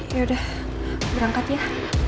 yaudah berangkat ya